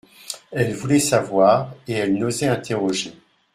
Elle voulait savoir et elle n'osait interroger.